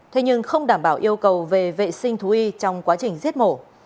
thế nhưng không đảm bảo yêu cầu về vệ sinh thú y trong quá trình giết mổ